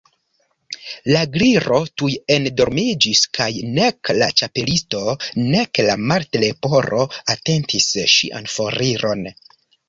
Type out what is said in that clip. La Gliro tuj endormiĝis; kaj nek la Ĉapelisto nek la Martleporo atentis ŝian foriron.